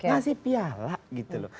ngasih piala gitu loh